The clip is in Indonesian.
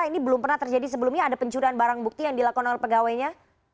ini belum pernah terjadi sebelumnya ada pencurian barang bukti yang dilakukan oleh pegawainya